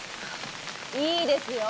いいですよ。